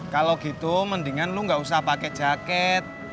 kalau gitu mendingan lo enggak usah pake jaket